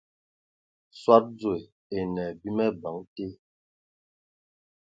Soad dzoe e enə abim abəŋ te.